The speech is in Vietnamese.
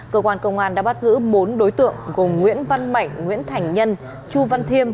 cơ quan công an đã bắt giữ bốn đối tượng gồm nguyễn văn mạnh nguyễn thành nhân chu văn thiêm